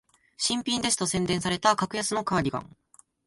新品ですと宣伝された格安のカーディガン